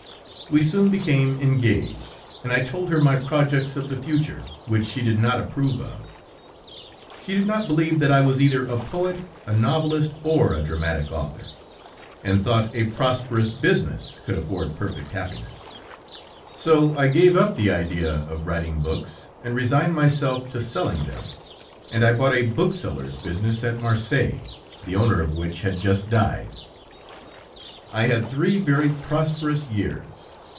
"We soon became engaged, and I told her my projects of the future, which she did not approve of. She did not believe that I was either a poet, a novelist, or a dramatic author, and thought a prosperous business could afford perfect happiness. So I gave up the idea of writing books, and resigned myself to selling them, and I bought a bookseller's business at Marseilles, the owner of which had just died. "I had three very prosperous years.